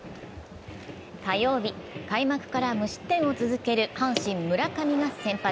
火曜日、開幕から無失点を続ける阪神・村上が先発。